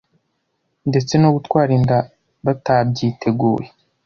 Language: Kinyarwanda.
ndetse no gutwara inda batabyiteguye